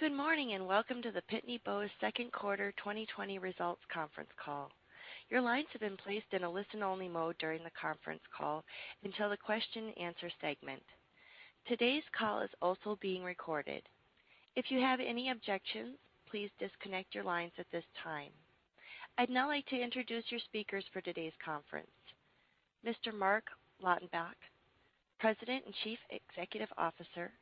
Good morning, welcome to the Pitney Bowes second quarter 2020 results conference call. Your lines have been placed in a listen-only mode during the conference call until the question and answer segment. Today's call is also being recorded. If you have any objections, please disconnect your lines at this time. I'd now like to introduce your speakers for today's conference. Mr. Marc Lautenbach, President and Chief Executive Officer,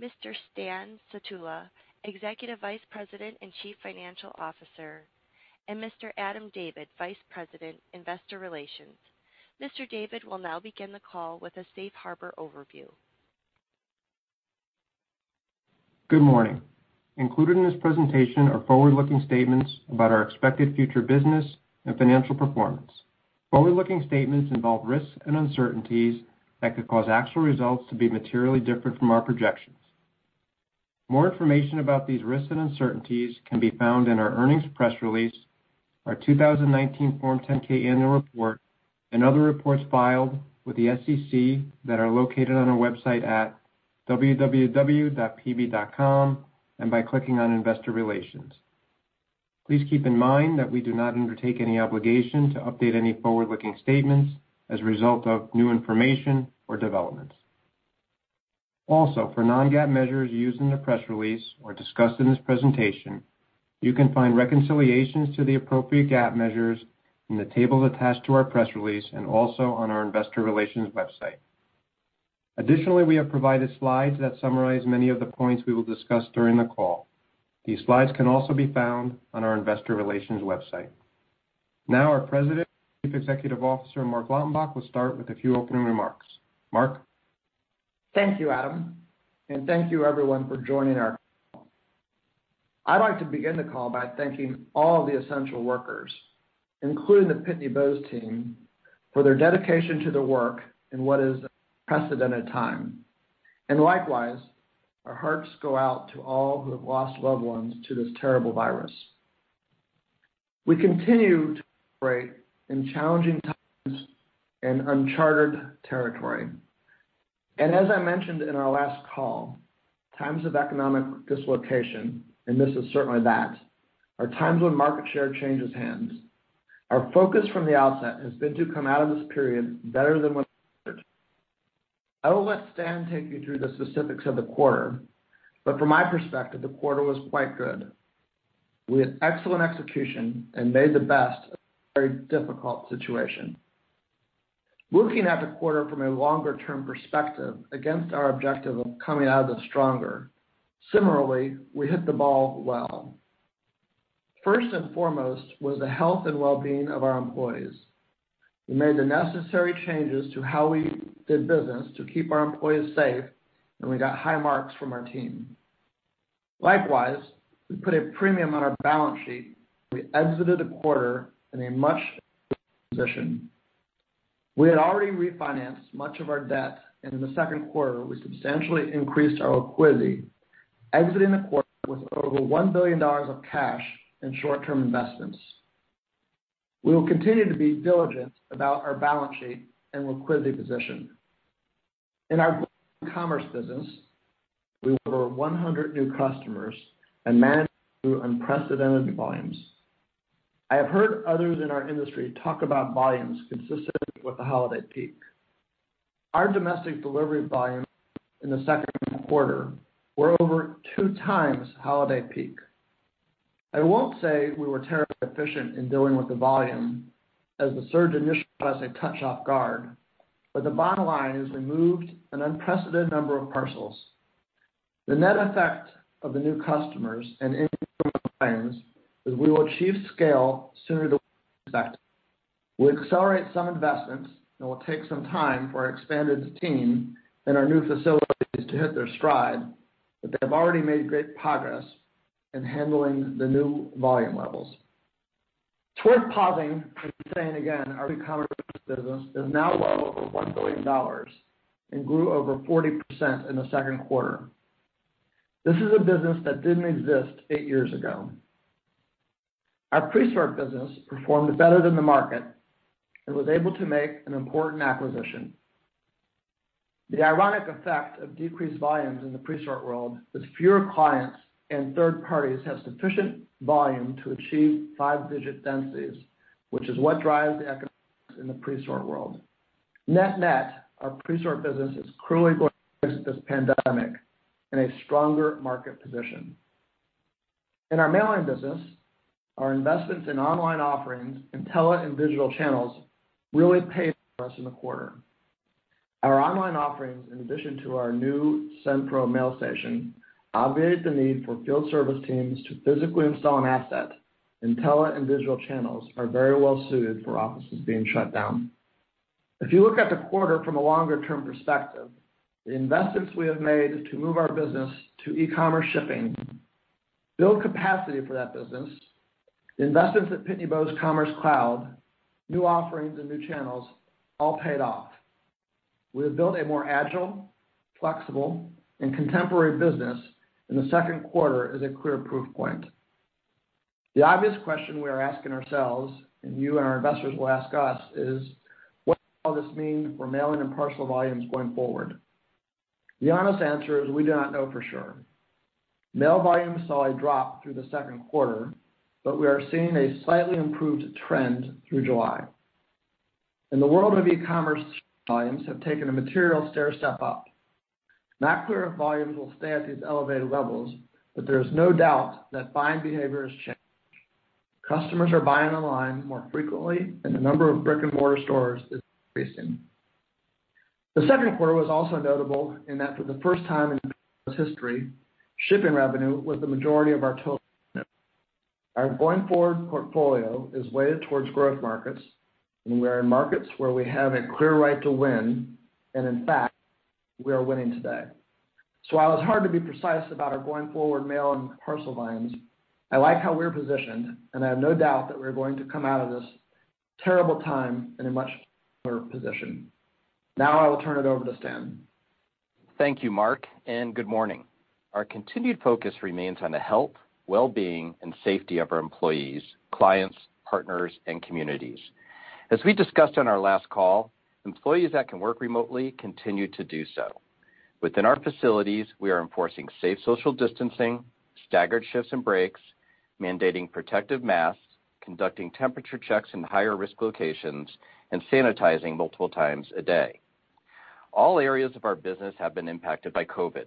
Mr. Stan Sutula, Executive Vice President and Chief Financial Officer, and Mr. Adam David, Vice President, Investor Relations. Mr. David will now begin the call with a safe harbor overview. Good morning. Included in this presentation are forward-looking statements about our expected future business and financial performance. Forward-looking statements involve risks and uncertainties that could cause actual results to be materially different from our projections. More information about these risks and uncertainties can be found in our earnings press release, our 2019 Form 10-K annual report, and other reports filed with the SEC that are located on our website at www.pb.com and by clicking on investor relations. Please keep in mind that we do not undertake any obligation to update any forward-looking statements as a result of new information or developments. Also, for non-GAAP measures used in the press release or discussed in this presentation, you can find reconciliations to the appropriate GAAP measures in the table attached to our press release and also on our investor relations website. Additionally, we have provided slides that summarize many of the points we will discuss during the call. These slides can also be found on our investor relations website. Our President and Chief Executive Officer, Marc Lautenbach, will start with a few opening remarks. Marc? Thank you, Adam, thank you, everyone, for joining our call. I'd like to begin the call by thanking all the essential workers, including the Pitney Bowes team, for their dedication to their work in what is an unprecedented time. Likewise, our hearts go out to all who have lost loved ones to this terrible virus. We continue to operate in challenging times and uncharted territory. As I mentioned in our last call, times of economic dislocation, and this is certainly that, are times when market share changes hands. Our focus from the outset has been to come out of this period better than when we entered. I will let Stan take you through the specifics of the quarter, but from my perspective, the quarter was quite good. We had excellent execution and made the best of a very difficult situation. Looking at the quarter from a longer-term perspective against our objective of coming out of it stronger, similarly, we hit the ball well. First and foremost was the health and wellbeing of our employees. We made the necessary changes to how we did business to keep our employees safe, and we got high marks from our team. Likewise, we put a premium on our balance sheet, and we exited the quarter in a much stronger position. We had already refinanced much of our debt, and in the second quarter, we substantially increased our liquidity, exiting the quarter with over $1 billion of cash and short-term investments. We will continue to be diligent about our balance sheet and liquidity position. In our commerce business, we added over 100 new customers and managed through unprecedented volumes. I have heard others in our industry talk about volumes consistent with the holiday peak. Our domestic delivery volumes in the second quarter were over two times holiday peak. I won't say we were terribly efficient in dealing with the volume, as the surge initially caught us a touch off guard, but the bottom line is we moved an unprecedented number of parcels. The net effect of the new customers and increased volumes is we will achieve scale sooner than we had expected. We'll accelerate some investments, and it will take some time for our expanded team and our new facilities to hit their stride, but they have already made great progress in handling the new volume levels. It's worth pausing and saying again, our Commerce Services is now well over $1 billion and grew over 40% in the second quarter. This is a business that didn't exist eight years ago. Our Presort business performed better than the market and was able to make an important acquisition. The ironic effect of decreased volumes in the Presort world is fewer clients and third parties have sufficient volume to achieve five-digit densities, which is what drives the economics in the Presort world. Net-net, our Presort business is clearly going to exit this pandemic in a stronger market position. In our mailing business, our investments in online offerings, IntelliLink and digital channels, really paid for us in the quarter. Our online offerings, in addition to our new SendPro Mailstation, obviate the need for field service teams to physically install an asset. IntelliLink and digital channels are very well suited for offices being shut down. If you look at the quarter from a longer-term perspective, the investments we have made to move our business to ecommerce shipping, build capacity for that business, the investments at Pitney Bowes Commerce Cloud, new offerings, and new channels all paid off. We have built a more agile, flexible, and contemporary business, and the second quarter is a clear proof point. The obvious question we are asking ourselves, and you and our investors will ask us, is what does all this mean for mailing and parcel volumes going forward? The honest answer is we do not know for sure. Mail volumes saw a drop through the second quarter, but we are seeing a slightly improved trend through July. In the world of ecommerce, volumes have taken a material stair step up. It's not clear if volumes will stay at these elevated levels, but there is no doubt that buying behavior has changed. Customers are buying online more frequently, and the number of brick-and-mortar stores is decreasing. The second quarter was also notable in that for the first time in Pitney Bowes history, shipping revenue was the majority of our total revenue. Our going forward portfolio is weighted towards growth markets, and we are in markets where we have a clear right to win, and in fact, we are winning today. While it's hard to be precise about our going forward mail and parcel volumes, I like how we're positioned, and I have no doubt that we're going to come out of this terrible time in a much stronger position. I will turn it over to Stan. Thank you, Marc, and good morning. Our continued focus remains on the health, wellbeing, and safety of our employees, clients, partners, and communities. As we discussed on our last call, employees that can work remotely continue to do so. Within our facilities, we are enforcing safe social distancing, staggered shifts and breaks, mandating protective masks, conducting temperature checks in higher risk locations, and sanitizing multiple times a day. All areas of our business have been impacted by COVID,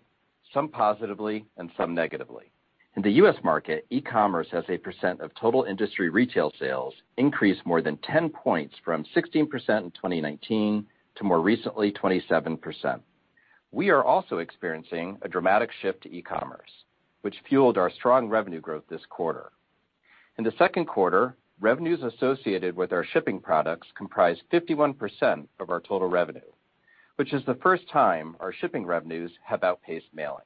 some positively and some negatively. In the U.S. market, ecommerce as a percent of total industry retail sales increased more than 10 points from 16% in 2019 to more recently, 27%. We are also experiencing a dramatic shift to ecommerce, which fueled our strong revenue growth this quarter. In the second quarter, revenues associated with our shipping products comprised 51% of our total revenue, which is the first time our shipping revenues have outpaced mailing.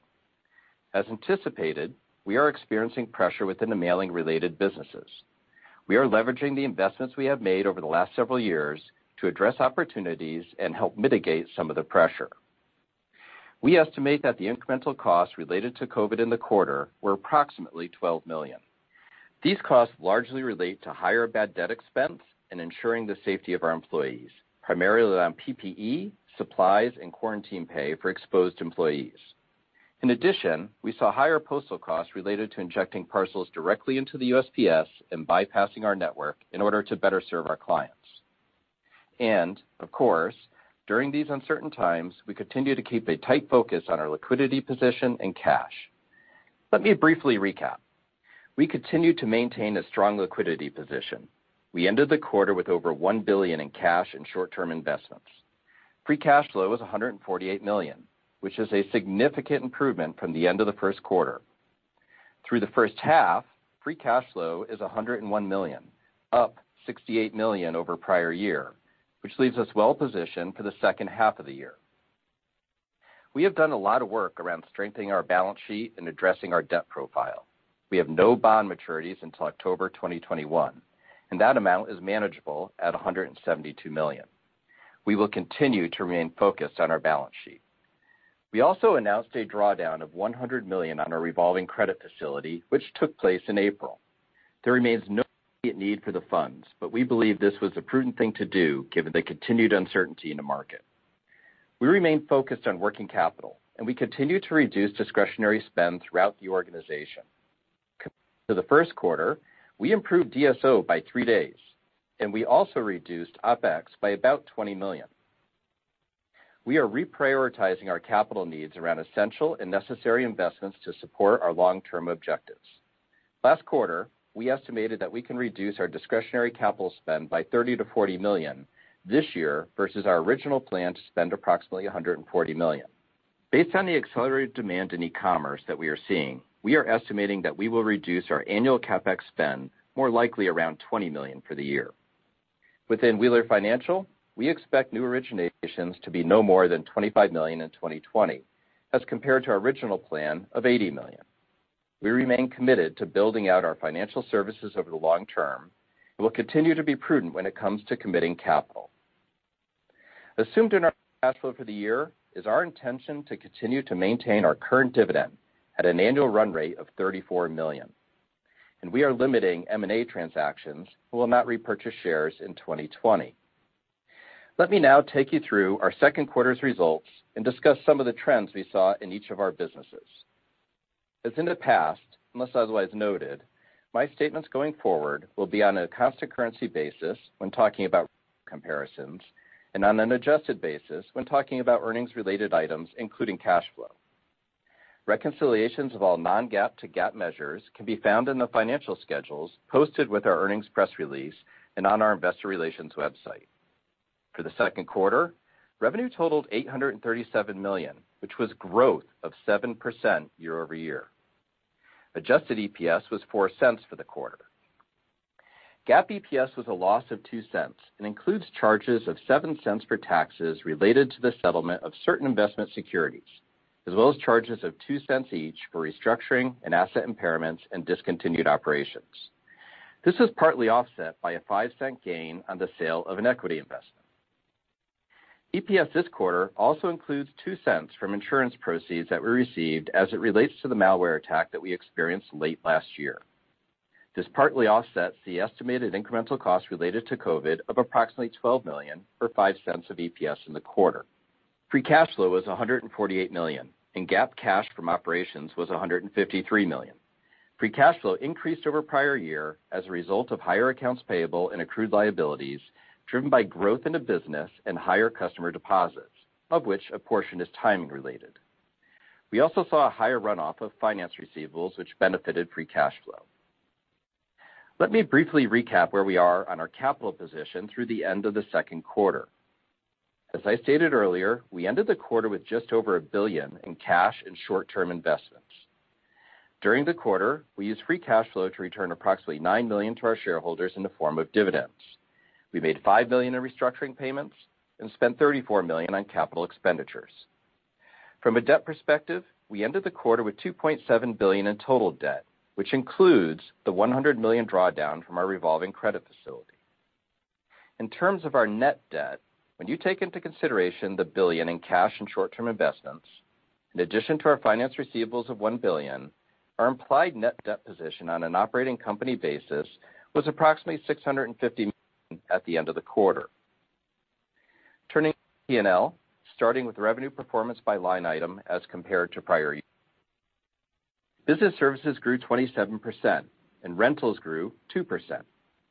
As anticipated, we are experiencing pressure within the mailing related businesses. We are leveraging the investments we have made over the last several years to address opportunities and help mitigate some of the pressure. We estimate that the incremental costs related to COVID in the quarter were approximately $12 million. These costs largely relate to higher bad debt expense in ensuring the safety of our employees, primarily on PPE, supplies, and quarantine pay for exposed employees. Of course, during these uncertain times, we continue to keep a tight focus on our liquidity position and cash. Let me briefly recap. We continue to maintain a strong liquidity position. We ended the quarter with over $1 billion in cash and short-term investments. Free cash flow was $148 million, which is a significant improvement from the end of the first quarter. Through the first half, free cash flow is $101 million, up $68 million over prior year, which leaves us well positioned for the second half of the year. We have done a lot of work around strengthening our balance sheet and addressing our debt profile. We have no bond maturities until October 2021, and that amount is manageable at $172 million. We will continue to remain focused on our balance sheet. We also announced a drawdown of $100 million on our revolving credit facility, which took place in April. There remains no immediate need for the funds, but we believe this was a prudent thing to do given the continued uncertainty in the market. We remain focused on working capital, and we continue to reduce discretionary spend throughout the organization. Compared to the first quarter, we improved DSO by three days, and we also reduced OpEx by about $20 million. We are reprioritizing our capital needs around essential and necessary investments to support our long-term objectives. Last quarter, we estimated that we can reduce our discretionary capital spend by $30 million-$40 million this year versus our original plan to spend approximately $140 million. Based on the accelerated demand in ecommerce that we are seeing, we are estimating that we will reduce our annual CapEx spend more likely around $20 million for the year. Within Wheeler Financial, we expect new originations to be no more than $25 million in 2020 as compared to our original plan of $80 million. We remain committed to building out our financial services over the long term and will continue to be prudent when it comes to committing capital. Assumed in our free cash flow for the year is our intention to continue to maintain our current dividend at an annual run rate of $34 million, and we are limiting M&A transactions and will not repurchase shares in 2020. Let me now take you through our second quarter's results and discuss some of the trends we saw in each of our businesses. As in the past, unless otherwise noted, my statements going forward will be on a constant currency basis when talking about comparisons, and on an adjusted basis when talking about earnings related items, including cash flow. Reconciliations of all non-GAAP to GAAP measures can be found in the financial schedules posted with our earnings press release and on our investor relations website. For the second quarter, revenue totaled $837 million, which was growth of 7% year-over-year. Adjusted EPS was $0.04 for the quarter. GAAP EPS was a loss of $0.02, and includes charges of $0.07 for taxes related to the settlement of certain investment securities, as well as charges of $0.02 each for restructuring and asset impairments in discontinued operations. This was partly offset by a $0.05 gain on the sale of an equity investment. EPS this quarter also includes $0.02 from insurance proceeds that we received as it relates to the malware attack that we experienced late last year. This partly offsets the estimated incremental cost related to COVID of approximately $12 million, or $0.05 of EPS in the quarter. Free cash flow was $148 million, and GAAP cash from operations was $153 million. Free cash flow increased over prior year as a result of higher accounts payable and accrued liabilities driven by growth in the business and higher customer deposits, of which a portion is timing related. We also saw a higher runoff of finance receivables, which benefited free cash flow. Let me briefly recap where we are on our capital position through the end of the second quarter. As I stated earlier, we ended the quarter with just over $1 billion in cash and short-term investments. During the quarter, we used free cash flow to return approximately $9 million to our shareholders in the form of dividends. We made $5 million in restructuring payments and spent $34 million on capital expenditures. From a debt perspective, we ended the quarter with $2.7 billion in total debt, which includes the $100 million drawdown from our revolving credit facility. In terms of our net debt, when you take into consideration the $1 billion in cash and short-term investments, in addition to our finance receivables of $1 billion, our implied net debt position on an operating company basis was approximately $650 million at the end of the quarter. Turning to the P&L, starting with revenue performance by line item as compared to prior year. Business services grew 27%, and rentals grew 2%.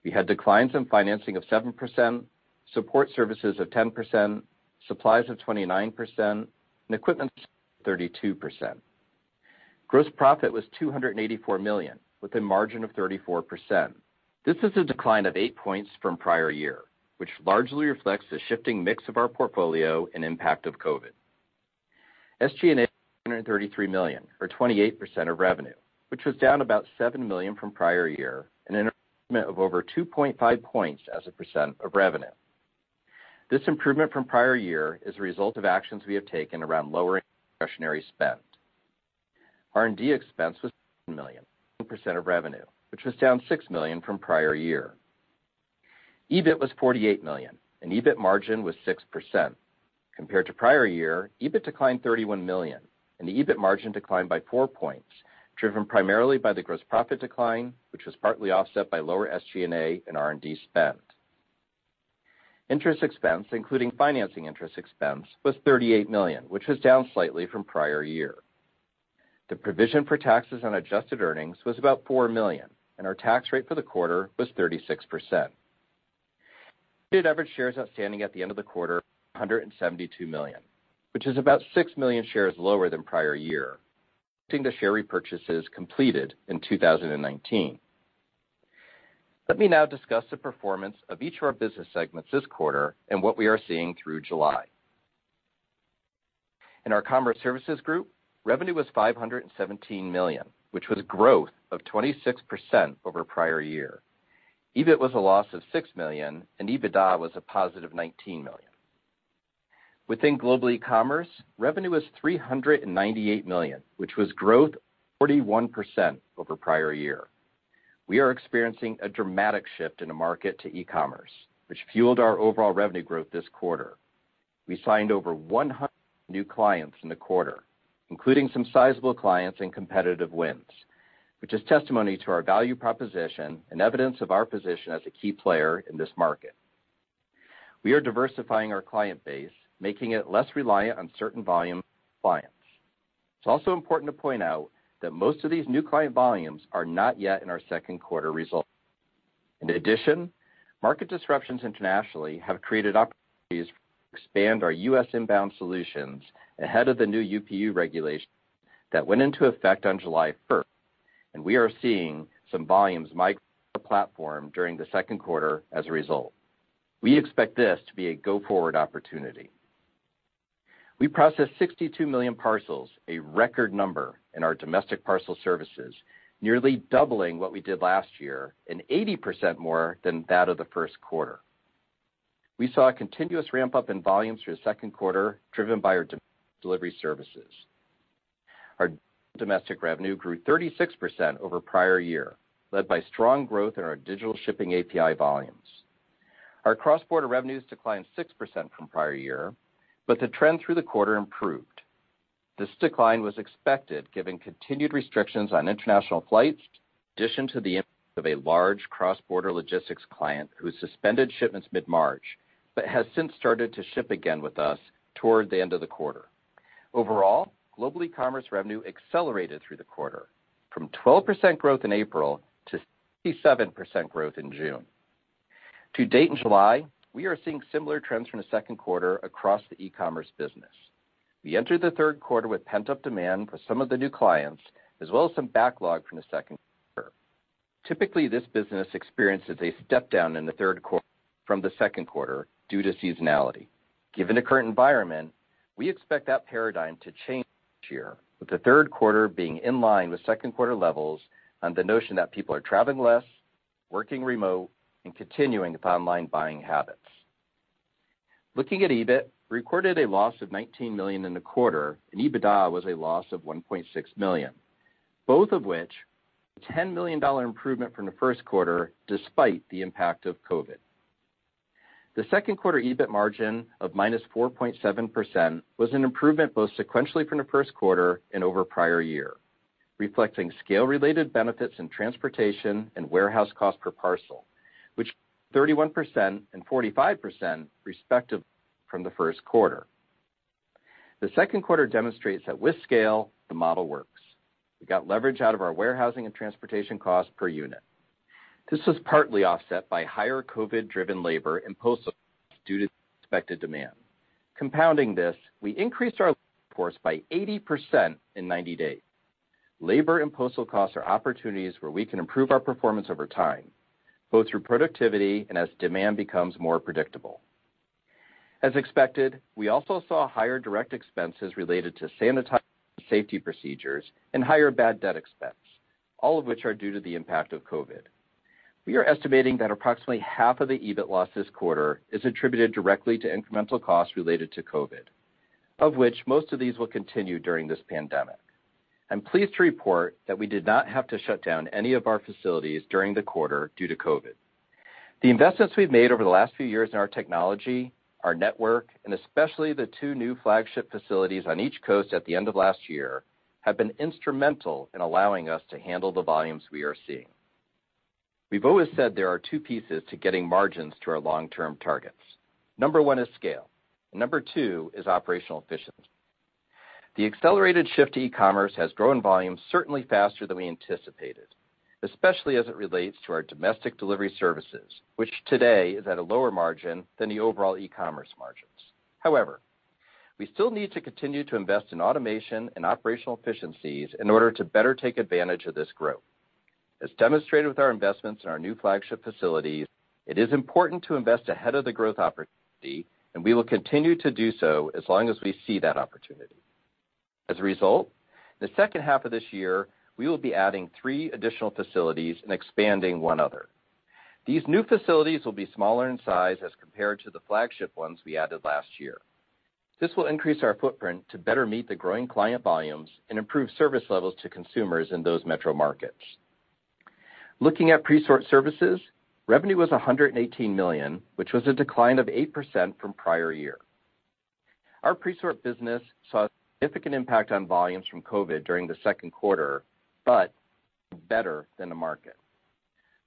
We had declines in financing of 7%, support services of 10%, supplies of 29%, and equipment of 32%. Gross profit was $284 million with a margin of 34%. This is a decline of eight points from prior year, which largely reflects the shifting mix of our portfolio and impact of COVID. SG&A was $133 million, or 28% of revenue, which was down about $7 million from prior year and an improvement of over 2.5 points as a percent of revenue. This improvement from prior year is a result of actions we have taken around lowering discretionary spend. R&D expense was $7 million, 2% of revenue, which was down $6 million from prior year. EBIT was $48 million, and EBIT margin was 6%. Compared to prior year, EBIT declined $31 million, and the EBIT margin declined by four points, driven primarily by the gross profit decline, which was partly offset by lower SG&A and R&D spend. Interest expense, including financing interest expense, was $38 million, which was down slightly from prior year. The provision for taxes on adjusted earnings was about $4 million, and our tax rate for the quarter was 36%. Diluted average shares outstanding at the end of the quarter, 172 million, which is about 6 million shares lower than prior year, reflecting the share repurchases completed in 2019. Let me now discuss the performance of each of our business segments this quarter and what we are seeing through July. In our Commerce Services group, revenue was $517 million, which was growth of 26% over prior year. EBIT was a loss of $6 million, and EBITDA was a +$19 million. Within Global Ecommerce, revenue was $398 million, which was growth of 41% over prior year. We are experiencing a dramatic shift in the market to ecommerce, which fueled our overall revenue growth this quarter. We signed over 100 new clients in the quarter, including some sizable clients and competitive wins, which is testimony to our value proposition and evidence of our position as a key player in this market. We are diversifying our client base, making it less reliant on certain volume clients. It's also important to point out that most of these new client volumes are not yet in our second quarter results. In addition, market disruptions internationally have created opportunities to expand our U.S. inbound solutions ahead of the new UPU regulations that went into effect on July 1st, and we are seeing some volumes migrate to the platform during the second quarter as a result. We expect this to be a go-forward opportunity. We processed 62 million parcels, a record number, in our domestic parcel services, nearly doubling what we did last year and 80% more than that of the first quarter. We saw a continuous ramp-up in volumes through the second quarter, driven by our delivery services. Our digital domestic revenue grew 36% over prior year, led by strong growth in our digital shipping API volumes. Our cross-border revenues declined 6% from prior year, but the trend through the quarter improved. This decline was expected given continued restrictions on international flights, in addition to the impact of a large cross-border logistics client who suspended shipments mid-March but has since started to ship again with us toward the end of the quarter. Overall, Global Ecommerce revenue accelerated through the quarter from 12% growth in April to 67% growth in June. To date in July, we are seeing similar trends from the second quarter across the ecommerce business. We entered the third quarter with pent-up demand for some of the new clients, as well as some backlog from the second quarter. Typically, this business experiences a step down in the third quarter from the second quarter due to seasonality. Given the current environment, we expect that paradigm to change this year, with the third quarter being in line with second quarter levels on the notion that people are traveling less, working remote, and continuing with online buying habits. Looking at EBIT, we recorded a loss of $19 million in the quarter, and EBITDA was a loss of $1.6 million. Both of which, $10 million improvement from the first quarter, despite the impact of COVID. The second quarter EBIT margin of -4.7% was an improvement both sequentially from the first quarter and over prior year, reflecting scale-related benefits in transportation and warehouse cost per parcel, which 31% and 45% respectively from the first quarter. The second quarter demonstrates that with scale, the model works. We got leverage out of our warehousing and transportation cost per unit. This was partly offset by higher COVID-driven labor and postal costs due to the expected demand. Compounding this, we increased our labor force by 80% in 90 days. Labor and postal costs are opportunities where we can improve our performance over time, both through productivity and as demand becomes more predictable. As expected, we also saw higher direct expenses related to sanitizing and safety procedures and higher bad debt expense, all of which are due to the impact of COVID. We are estimating that approximately half of the EBIT loss this quarter is attributed directly to incremental costs related to COVID, of which most of these will continue during this pandemic. I'm pleased to report that we did not have to shut down any of our facilities during the quarter due to COVID. The investments we've made over the last few years in our technology, our network, and especially the two new flagship facilities on each coast at the end of last year, have been instrumental in allowing us to handle the volumes we are seeing. We've always said there are two pieces to getting margins to our long-term targets. Number one is scale, and number two is operational efficiency. The accelerated shift to ecommerce has grown volumes certainly faster than we anticipated, especially as it relates to our domestic delivery services, which today is at a lower margin than the overall ecommerce margins. However, we still need to continue to invest in automation and operational efficiencies in order to better take advantage of this growth. As demonstrated with our investments in our new flagship facilities, it is important to invest ahead of the growth opportunity, and we will continue to do so as long as we see that opportunity. As a result, the second half of this year, we will be adding three additional facilities and expanding one other. These new facilities will be smaller in size as compared to the flagship ones we added last year. This will increase our footprint to better meet the growing client volumes and improve service levels to consumers in those metro markets. Looking at Presort Services, revenue was $118 million, which was a decline of 8% from prior year. Our Presort business saw a significant impact on volumes from COVID during the second quarter, but better than the market.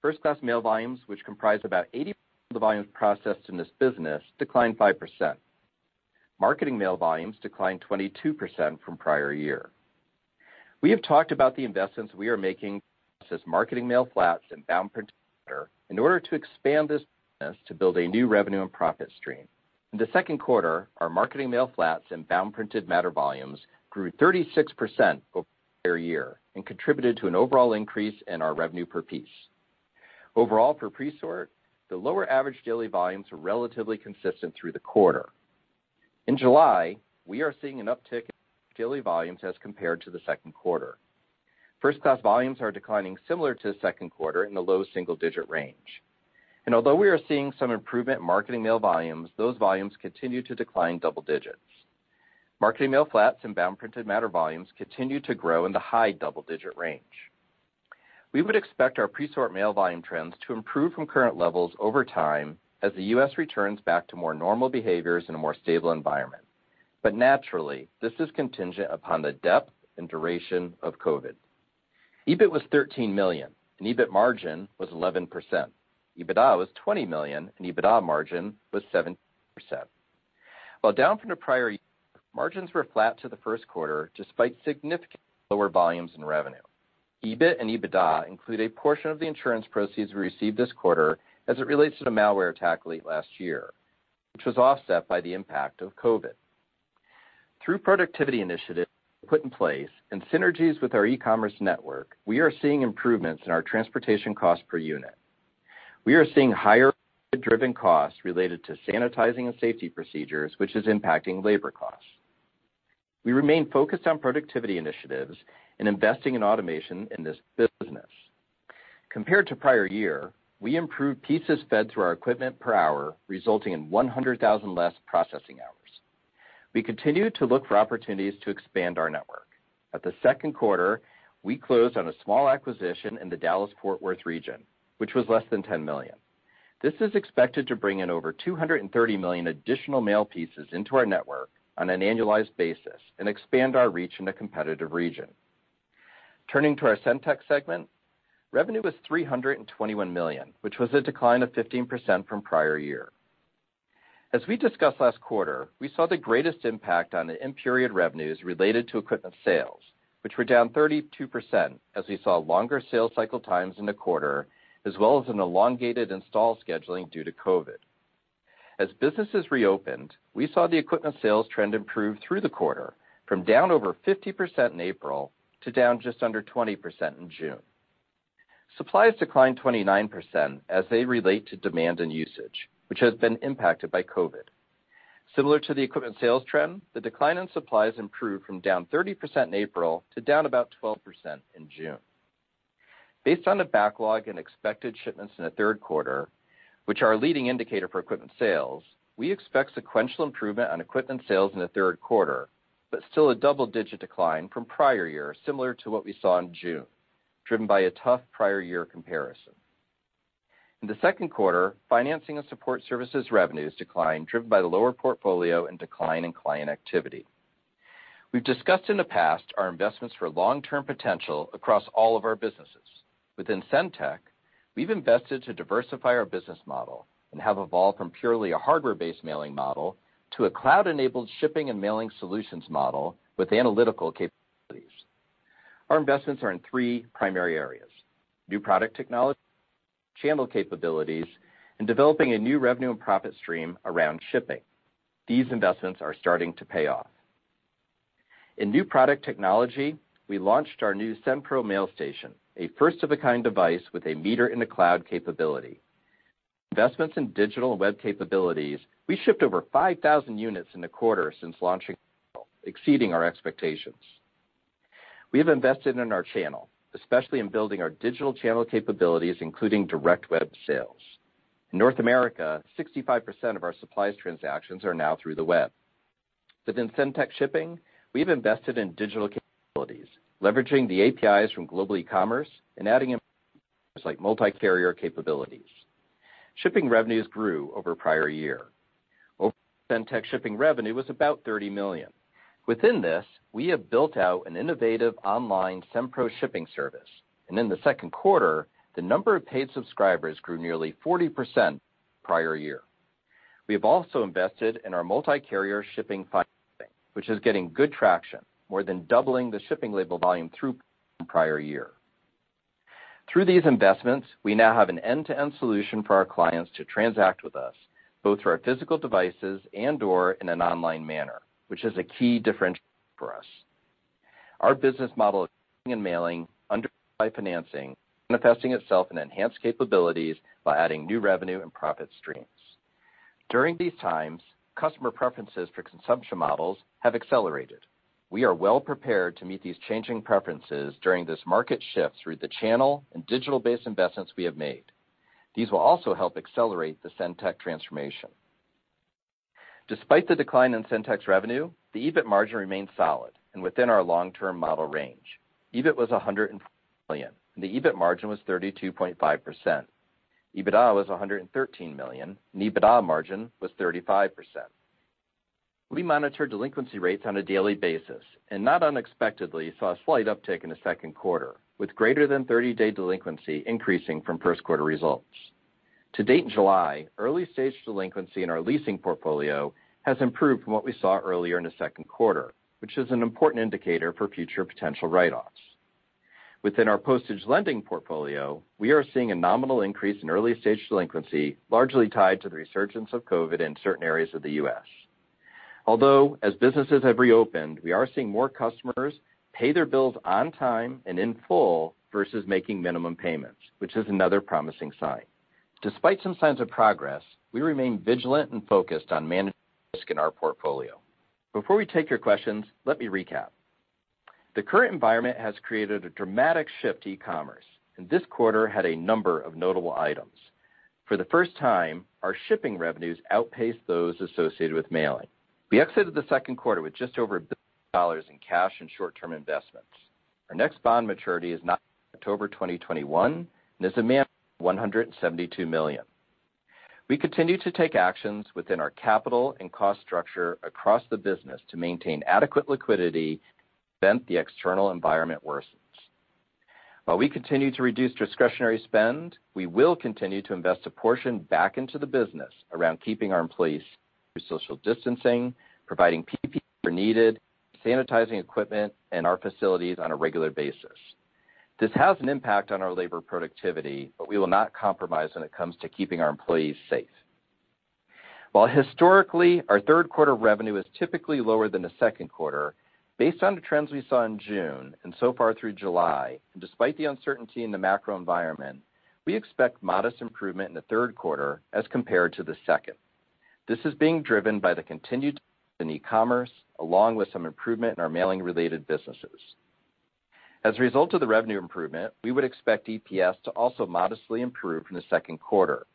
First-class mail volumes, which comprise about 80% of the volumes processed in this business, declined 5%. Marketing mail volumes declined 22% from prior year. We have talked about the investments we are making process marketing mail flats and bound printed matter in order to expand this business to build a new revenue and profit stream. In the second quarter, our marketing mail flats and bound printed matter volumes grew 36% over prior year and contributed to an overall increase in our revenue per piece. Overall for Presort, the lower average daily volumes were relatively consistent through the quarter. In July, we are seeing an uptick in daily volumes as compared to the second quarter. First-class volumes are declining similar to the second quarter in the low single-digit range. Although we are seeing some improvement in marketing mail volumes, those volumes continue to decline double-digits. Marketing mail flats and bound printed matter volumes continue to grow in the high double-digit range. We would expect our Presort mail volume trends to improve from current levels over time as the U.S. returns back to more normal behaviors in a more stable environment. Naturally, this is contingent upon the depth and duration of COVID. EBIT was $13 million, and EBIT margin was 11%. EBITDA was $20 million, and EBITDA margin was 17%. While down from the prior year, margins were flat to the first quarter, despite significantly lower volumes in revenue. EBIT and EBITDA include a portion of the insurance proceeds we received this quarter as it relates to the malware attack late last year, which was offset by the impact of COVID. Through productivity initiatives put in place and synergies with our ecommerce network, we are seeing improvements in our transportation cost per unit. We are seeing higher COVID-driven costs related to sanitizing and safety procedures, which is impacting labor costs. We remain focused on productivity initiatives and investing in automation in this business. Compared to prior year, we improved pieces fed through our equipment per hour, resulting in 100,000 less processing hours. We continue to look for opportunities to expand our network. At the second quarter, we closed on a small acquisition in the Dallas-Fort Worth region, which was less than $10 million. This is expected to bring in over 230 million additional mail pieces into our network on an annualized basis and expand our reach in the competitive region. Turning to our SendTech segment, revenue was $321 million, which was a decline of 15% from prior year. As we discussed last quarter, we saw the greatest impact on the in-period revenues related to equipment sales, which were down 32% as we saw longer sales cycle times in the quarter, as well as an elongated install scheduling due to COVID. As businesses reopened, we saw the equipment sales trend improve through the quarter from down over 50% in April to down just under 20% in June. Supplies declined 29% as they relate to demand and usage, which has been impacted by COVID. Similar to the equipment sales trend, the decline in supplies improved from down 30% in April to down about 12% in June. Based on the backlog and expected shipments in the third quarter, which are a leading indicator for equipment sales, we expect sequential improvement on equipment sales in the third quarter, but still a double-digit decline from prior year, similar to what we saw in June, driven by a tough prior year comparison. In the second quarter, financing and support services revenues declined, driven by the lower portfolio and decline in client activity. We've discussed in the past our investments for long-term potential across all of our businesses. Within SendTech, we've invested to diversify our business model and have evolved from purely a hardware-based mailing model to a cloud-enabled shipping and mailing solutions model with analytical capabilities. Our investments are in three primary areas: new product technology, channel capabilities, and developing a new revenue and profit stream around shipping. These investments are starting to pay off. In new product technology, we launched our new SendPro Mailstation, a first-of-a-kind device with a meter in the cloud capability. Investments in digital and web capabilities, we shipped over 5,000 units in the quarter since launching, exceeding our expectations. We have invested in our channel, especially in building our digital channel capabilities, including direct web sales. In North America, 65% of our supplies transactions are now through the web. Within SendTech Shipping, we have invested in digital capabilities, leveraging the APIs from Global Ecommerce and adding in like multi-carrier capabilities. Shipping revenues grew over prior year. Overall SendTech Shipping revenue was about $30 million. Within this, we have built out an innovative online SendPro Shipping service, and in the second quarter, the number of paid subscribers grew nearly 40% the prior year. We have also invested in our multi-carrier shipping, which is getting good traction, more than doubling the shipping label volume through prior year. Through these investments, we now have an end-to-end solution for our clients to transact with us, both through our physical devices and/or in an online manner, which is a key differentiator for us. Our business model of shipping and mailing, underwritten by financing, is manifesting itself in enhanced capabilities by adding new revenue and profit streams. During these times, customer preferences for consumption models have accelerated. We are well prepared to meet these changing preferences during this market shift through the channel and digital-based investments we have made. These will also help accelerate the SendTech transformation. Despite the decline in SendTech's revenue, the EBIT margin remains solid and within our long-term model range. EBIT was $105 million, and the EBIT margin was 32.5%. EBITDA was $113 million, and EBITDA margin was 35%. We monitor delinquency rates on a daily basis and not unexpectedly, saw a slight uptick in the second quarter, with greater than 30-day delinquency increasing from first quarter results. To date in July, early-stage delinquency in our leasing portfolio has improved from what we saw earlier in the second quarter, which is an important indicator for future potential write-offs. Within our postage lending portfolio, we are seeing a nominal increase in early-stage delinquency, largely tied to the resurgence of COVID in certain areas of the U.S. As businesses have reopened, we are seeing more customers pay their bills on time and in full versus making minimum payments, which is another promising sign. Despite some signs of progress, we remain vigilant and focused on managing risk in our portfolio. Before we take your questions, let me recap. The current environment has created a dramatic shift to ecommerce, and this quarter had a number of notable items. For the first time, our shipping revenues outpaced those associated with mailing. We exited the second quarter with just over $1 billion in cash and short-term investments. Our next bond maturity is not until October 2021, and is a of $172 million. We continue to take actions within our capital and cost structure across the business to maintain adequate liquidity if the external environment worsens. While we continue to reduce discretionary spend, we will continue to invest a portion back into the business around keeping our employees through social distancing, providing PPE where needed, sanitizing equipment, and our facilities on a regular basis. This has an impact on our labor productivity, but we will not compromise when it comes to keeping our employees safe. While historically, our third quarter revenue is typically lower than the second quarter, based on the trends we saw in June and so far through July, despite the uncertainty in the macro environment, we expect modest improvement in the third quarter as compared to the second. This is being driven by the continued in ecommerce, along with some improvement in our mailing-related businesses. As a result of the revenue improvement, we would expect EPS to also modestly improve from the second quarter,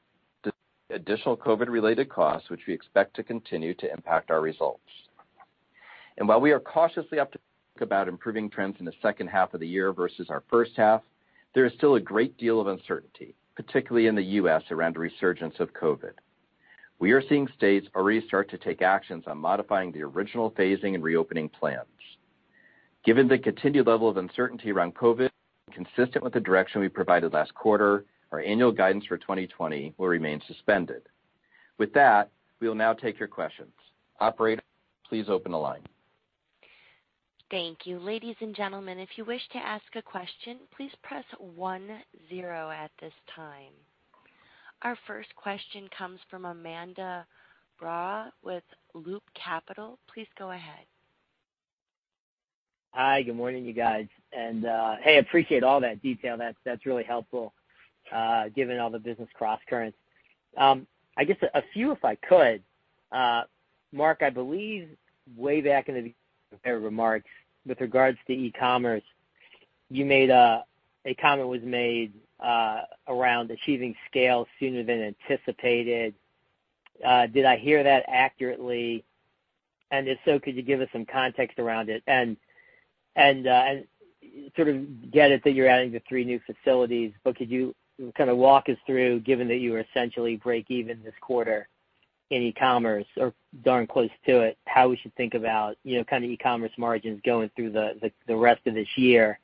despite additional COVID-related costs, which we expect to continue to impact our results. While we are cautiously optimistic about improving trends in the second half of the year versus our first half, there is still a great deal of uncertainty, particularly in the U.S. around the resurgence of COVID. We are seeing states already start to take actions on modifying the original phasing and reopening plans. Given the continued level of uncertainty around COVID and consistent with the direction we provided last quarter, our annual guidance for 2020 will remain suspended. With that, we will now take your questions. Operator, please open the line. Thank you. Ladies and gentlemen, if you wish to ask a question, please press one zero at this time. Our first question comes from Ananda Baruah with Loop Capital. Please go ahead. Hi, good morning, you guys. Hey, appreciate all that detail. That's really helpful. Given all the business crosscurrents. I guess a few if I could. Marc, I believe way back in the prepared remarks with regards to ecommerce, a comment was made around achieving scale sooner than anticipated. Did I hear that accurately? If so, could you give us some context around it? Sort of get it that you're adding the three new facilities, but could you kind of walk us through, given that you were essentially break even this quarter in ecommerce or darn close to it, how we should think about ecommerce margins going through the rest of this year?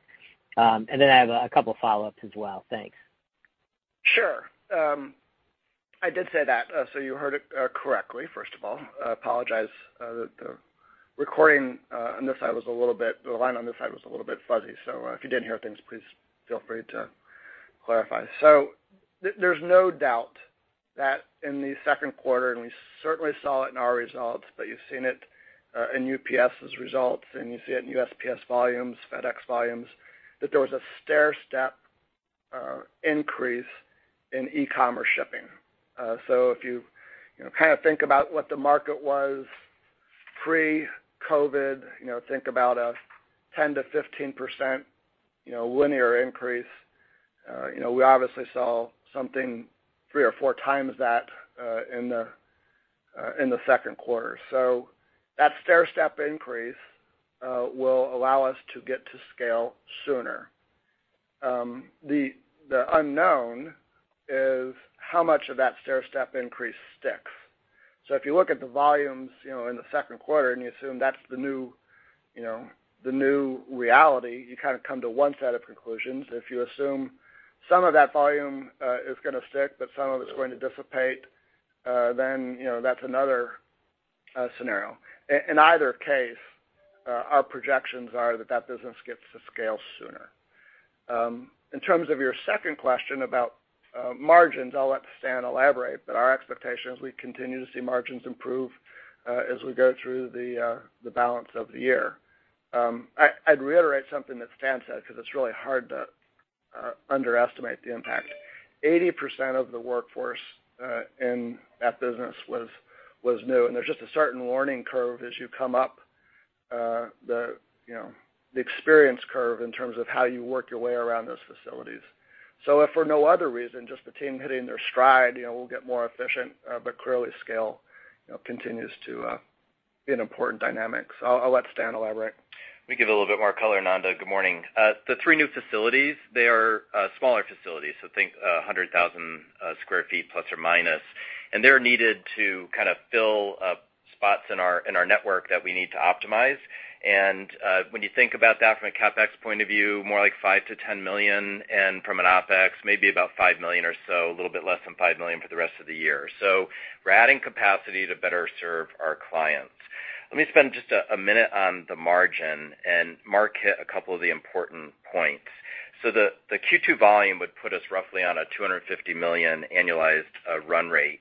I have a couple of follow-ups as well. Thanks. Sure. I did say that, you heard it correctly, first of all. I apologize that the recording on this side, the line on this side was a little bit fuzzy. If you didn't hear things, please feel free to clarify. There's no doubt that in the second quarter, and we certainly saw it in our results, but you've seen it in UPS's results, and you see it in USPS volumes, FedEx volumes, that there was a stairstep increase in ecommerce shipping. If you kind of think about what the market was pre-COVID, think about a 10%-15% linear increase. We obviously saw something 3x or 4x that in the second quarter. That stairstep increase will allow us to get to scale sooner. The unknown is how much of that stairstep increase sticks. If you look at the volumes in the second quarter, and you assume that's the new reality, you kind of come to one set of conclusions. If you assume some of that volume is going to stick, but some of it's going to dissipate, then that's another scenario. In either case, our projections are that that business gets to scale sooner. In terms of your second question about margins, I'll let Stan elaborate, but our expectation is we continue to see margins improve as we go through the balance of the year. I'd reiterate something that Stan said because it's really hard to underestimate the impact. 80% of the workforce in that business was new, and there's just a certain learning curve as you come up the experience curve in terms of how you work your way around those facilities. If for no other reason, just the team hitting their stride, we'll get more efficient, but clearly scale continues to be an important dynamic. I'll let Stan elaborate. Let me give a little bit more color, Ananda. Good morning. The three new facilities, they are smaller facilities, so think 100,000 sq ft, plus or minus, and they're needed to kind of fill spots in our network that we need to optimize. When you think about that from a CapEx point of view, more like $5 million-$10 million, and from an OpEx, maybe about $5 million or so, a little bit less than $5 million for the rest of the year. We're adding capacity to better serve our clients. Let me spend just a minute on the margin, Marc hit a couple of the important points. The Q2 volume would put us roughly on a $250 million annualized run rate.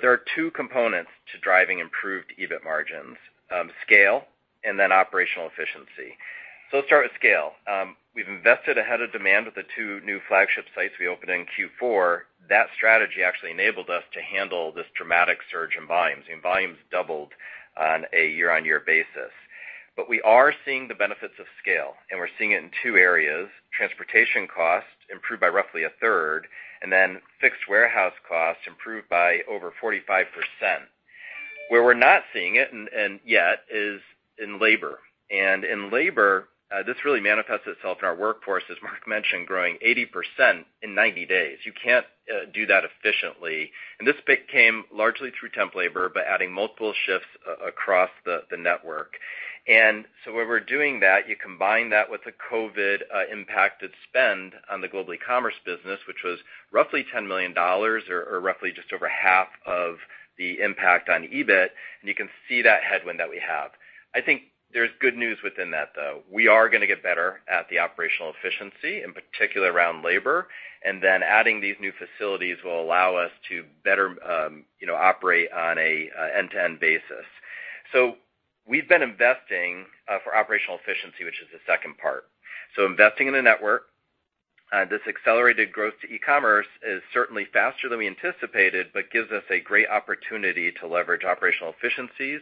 There are two components to driving improved EBIT margins, scale and then operational efficiency. Let's start with scale. We've invested ahead of demand with the two new flagship sites we opened in Q4. That strategy actually enabled us to handle this dramatic surge in volumes. Volumes doubled on a year-on-year basis. We are seeing the benefits of scale, and we're seeing it in two areas, transportation costs improved by roughly a third, and then fixed warehouse costs improved by over 45%. Where we're not seeing it yet is in labor. In labor, this really manifests itself in our workforce, as Marc mentioned, growing 80% in 90 days. You can't do that efficiently. This became largely through temp labor by adding multiple shifts across the network. Where we're doing that, you combine that with the COVID impacted spend on the Global Ecommerce business, which was roughly $10 million or roughly just over half of the impact on EBIT, and you can see that headwind that we have. I think there's good news within that, though. We are going to get better at the operational efficiency, in particular around labor, and then adding these new facilities will allow us to better operate on an end-to-end basis. We've been investing for operational efficiency, which is the second part. Investing in the network. This accelerated growth to ecommerce is certainly faster than we anticipated but gives us a great opportunity to leverage operational efficiencies.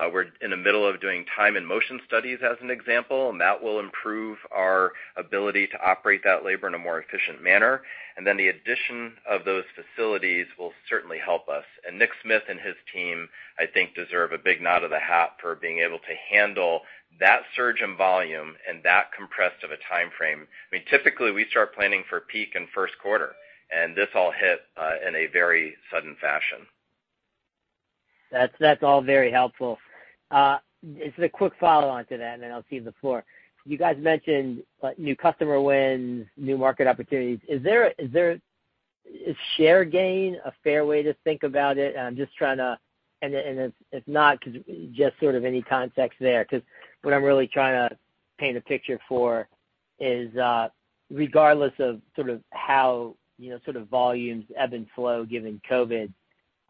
We're in the middle of doing time and motion studies as an example, and that will improve our ability to operate that labor in a more efficient manner. The addition of those facilities will certainly help us. Nick Smith and his team, I think, deserve a big nod of the hat for being able to handle that surge in volume and that compressed of a timeframe. Typically, we start planning for peak in first quarter, and this all hit in a very sudden fashion. That's all very helpful. Just a quick follow-on to that, then I'll cede the floor. You guys mentioned new customer wins, new market opportunities. Is share gain a fair way to think about it? If not, just sort of any context there. What I'm really trying to paint a picture for is, regardless of sort of how volumes ebb and flow given COVID.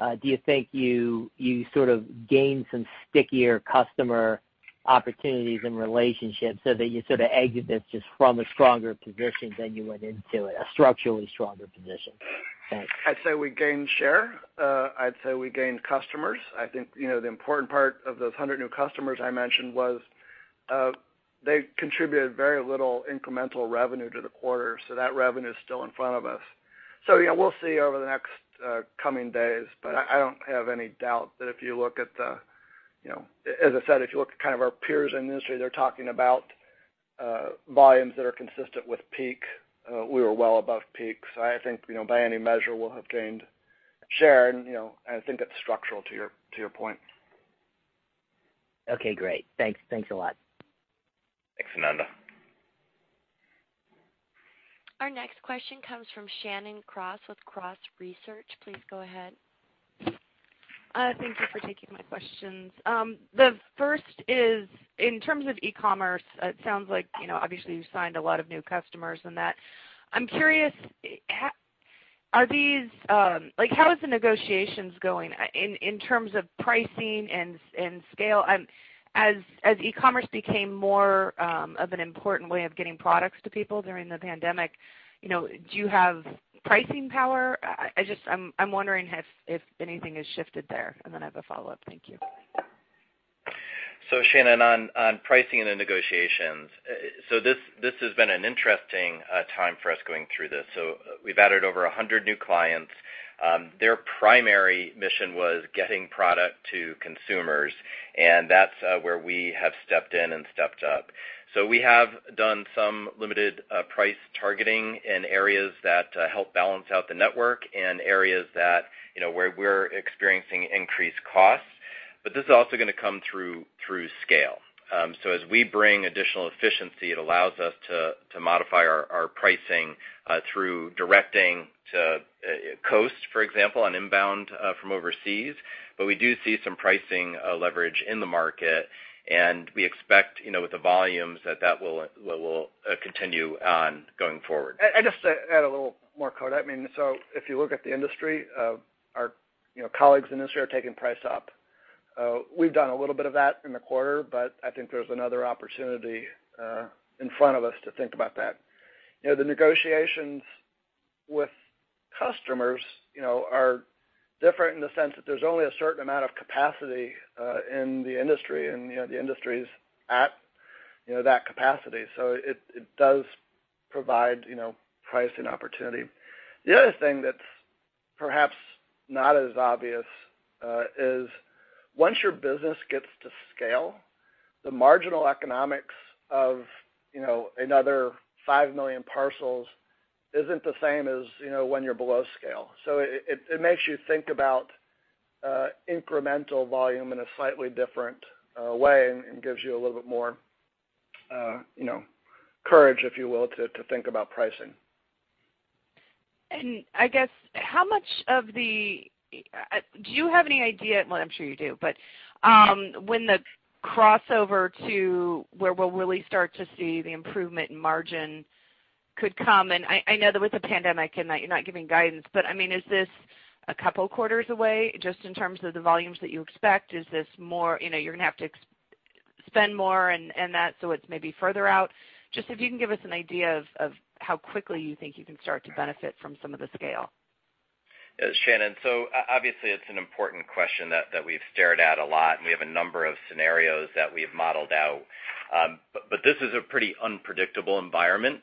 Do you think you sort of gained some stickier customer opportunities and relationships so that you sort of exited this just from a stronger position than you went into it, a structurally stronger position? Thanks. I'd say we gained share. I'd say we gained customers. I think the important part of those 100 new customers I mentioned was they contributed very little incremental revenue to the quarter, so that revenue is still in front of us. Yeah, we'll see over the next coming days, but I don't have any doubt that if you look at as I said, if you look at kind of our peers in the industry, they're talking about volumes that are consistent with peak. We were well above peak. I think by any measure, we'll have gained share, and I think it's structural to your point. Okay, great. Thanks a lot. Thanks, Nanda. Our next question comes from Shannon Cross with Cross Research. Please go ahead. Thank you for taking my questions. The first is, in terms of ecommerce, it sounds like, obviously, you've signed a lot of new customers and that. I'm curious, how is the negotiations going in terms of pricing and scale? As ecommerce became more of an important way of getting products to people during the pandemic, do you have pricing power? I'm wondering if anything has shifted there, and then I have a follow-up. Thank you. Shannon, on pricing and the negotiations. This has been an interesting time for us going through this. We've added over 100 new clients. Their primary mission was getting product to consumers, and that's where we have stepped in and stepped up. We have done some limited price targeting in areas that help balance out the network and areas where we're experiencing increased costs. This is also going to come through scale. As we bring additional efficiency, it allows us to modify our pricing through directing to coast, for example, on inbound from overseas. We do see some pricing leverage in the market, and we expect, with the volumes, that that will continue on going forward. I just add a little more color. If you look at the industry, our colleagues in the industry are taking price up. We've done a little bit of that in the quarter, but I think there's another opportunity in front of us to think about that. The negotiations with customers are different in the sense that there's only a certain amount of capacity in the industry, and the industry is at that capacity. It does provide pricing opportunity. The other thing that's perhaps not as obvious is once your business gets to scale, the marginal economics of another 5 million parcels isn't the same as when you're below scale. It makes you think about incremental volume in a slightly different way and gives you a little bit more courage, if you will, to think about pricing. I guess, do you have any idea, well, I'm sure you do, but when the crossover to where we'll really start to see the improvement in margin could come, and I know that with the pandemic and that you're not giving guidance, but, I mean, is this a couple quarters away, just in terms of the volumes that you expect? Is this more you're going to have to spend more and that, so it's maybe further out? Just if you can give us an idea of how quickly you think you can start to benefit from some of the scale. Shannon, obviously it's an important question that we've stared at a lot, and we have a number of scenarios that we've modeled out. This is a pretty unpredictable environment.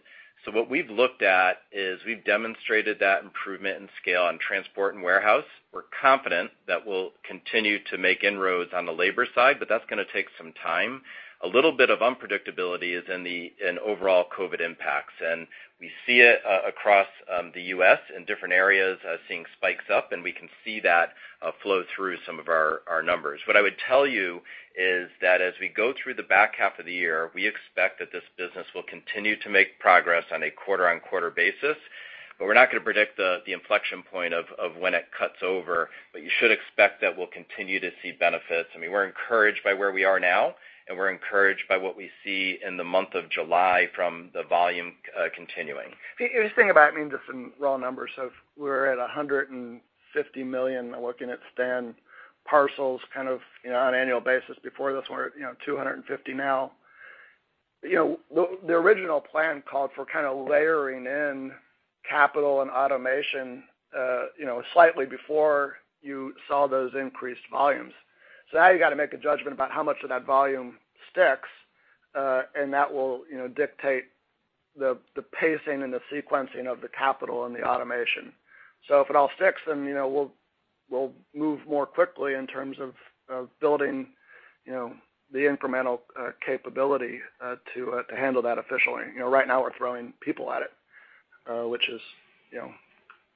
What we've looked at is we've demonstrated that improvement in scale on transport and warehouse. We're confident that we'll continue to make inroads on the labor side, but that's going to take some time. A little bit of unpredictability is in overall COVID impacts, and we see it across the U.S. in different areas, seeing spikes up, and we can see that flow through some of our numbers. What I would tell you is that as we go through the back half of the year, we expect that this business will continue to make progress on a quarter-on-quarter basis. We're not going to predict the inflection point of when it cuts over. You should expect that we'll continue to see benefits. I mean, we're encouraged by where we are now, and we're encouraged by what we see in the month of July from the volume continuing. If you just think about it, just in raw numbers, so if we were at 150 million, looking at standard parcels kind of on an annual basis before this, we're at 250 now. The original plan called for kind of layering in capital and automation slightly before you saw those increased volumes. Now you got to make a judgment about how much of that volume sticks, and that will dictate the pacing and the sequencing of the capital and the automation. If it all sticks, then we'll move more quickly in terms of building the incremental capability to handle that efficiently. Right now we're throwing people at it, which is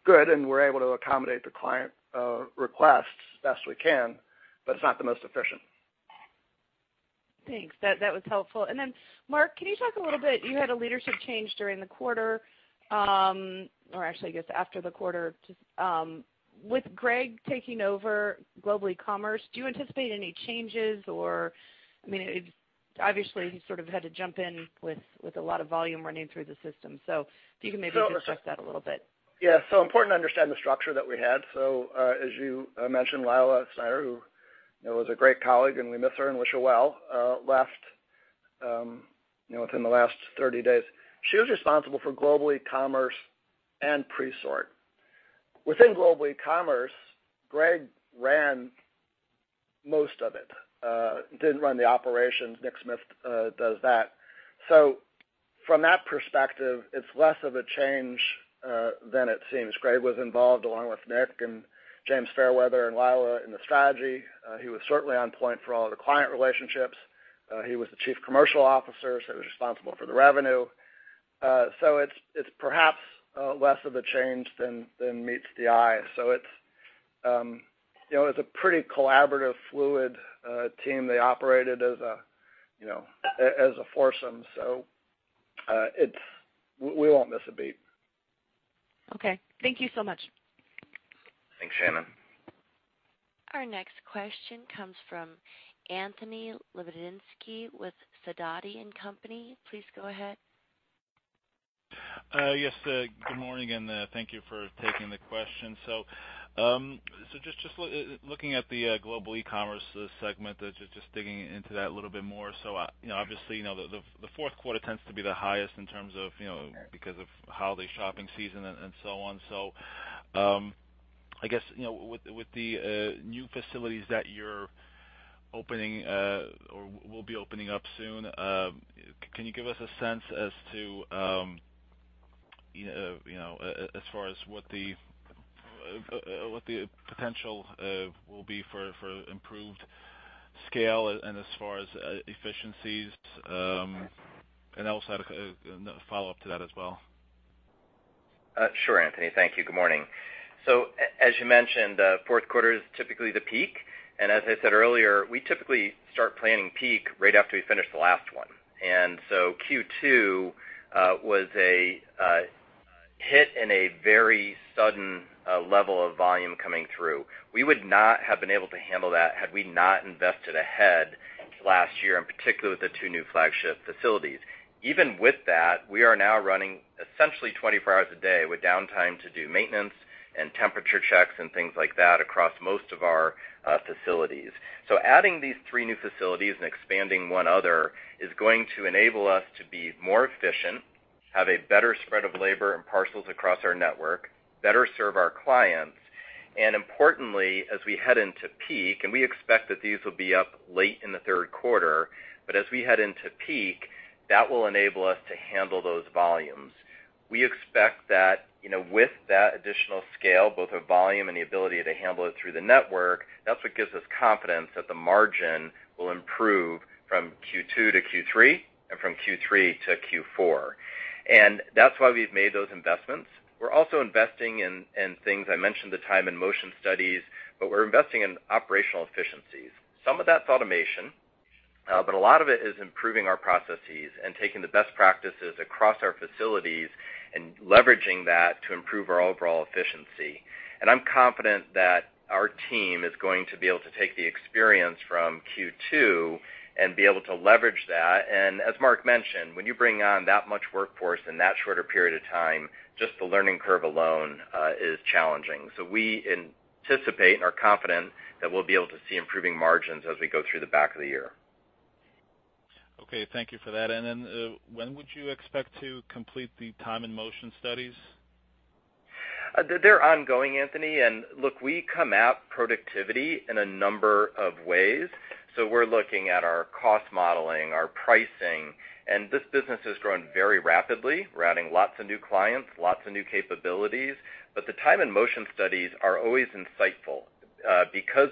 good, and we're able to accommodate the client requests as best we can, but it's not the most efficient. Thanks. That was helpful. Then Marc, can you talk a little bit, you had a leadership change during the quarter, or actually, I guess, after the quarter. With Gregg taking over Global Ecommerce, do you anticipate any changes or, I mean, Obviously, he sort of had to jump in with a lot of volume running through the system. Yeah. important to understand the structure that we had. As you mentioned, Lila Snyder, who was a great colleague, and we miss her and wish her well, left within the last 30 days. She was responsible for Global Ecommerce and Presort. Within Global Ecommerce, Gregg ran most of it. Didn't run the operations, Nick Smith does that. From that perspective, it's less of a change than it seems. Gregg was involved, along with Nick and James Fairweather and Lila in the strategy. He was certainly on point for all the client relationships. He was the Chief Commercial Officer, so he was responsible for the revenue. It's perhaps less of a change than meets the eye. It's a pretty collaborative, fluid team. They operated as a foursome. We won't miss a beat. Okay. Thank you so much. Thanks, Shannon. Our next question comes from Anthony Lebiedzinski with SIDOTI & Company. Please go ahead. Yes, good morning, and thank you for taking the question. Just looking at the Global Ecommerce segment, just digging into that a little bit more. Obviously, the fourth quarter tends to be the highest because of holiday shopping season and so on. I guess, with the new facilities that you're opening or will be opening up soon, can you give us a sense as far as what the potential will be for improved scale and as far as efficiencies? I also had a follow-up to that as well. Sure, Anthony. Thank you. Good morning. As you mentioned, fourth quarter is typically the peak, and as I said earlier, we typically start planning peak right after we finish the last one. Q2 was a hit and a very sudden level of volume coming through. We would not have been able to handle that had we not invested ahead last year, in particular with the two new flagship facilities. Even with that, we are now running essentially 24 hours a day with downtime to do maintenance and temperature checks and things like that across most of our facilities. Adding these three new facilities and expanding one other is going to enable us to be more efficient, have a better spread of labor and parcels across our network, better serve our clients, and importantly, as we head into peak, and we expect that these will be up late in the third quarter, but as we head into peak, that will enable us to handle those volumes. We expect that with that additional scale, both of volume and the ability to handle it through the network, that's what gives us confidence that the margin will improve from Q2 to Q3 and from Q3 to Q4. That's why we've made those investments. We're also investing in things, I mentioned the time and motion studies, but we're investing in operational efficiencies. Some of that's automation, a lot of it is improving our processes and taking the best practices across our facilities and leveraging that to improve our overall efficiency. I'm confident that our team is going to be able to take the experience from Q2 and be able to leverage that. As Marc mentioned, when you bring on that much workforce in that short a period of time, just the learning curve alone is challenging. We anticipate and are confident that we'll be able to see improving margins as we go through the back of the year. Okay. Thank you for that. When would you expect to complete the time and motion studies? They're ongoing, Anthony. Look, we come at productivity in a number of ways. We're looking at our cost modeling, our pricing, and this business has grown very rapidly. We're adding lots of new clients, lots of new capabilities. The time and motion studies are always insightful.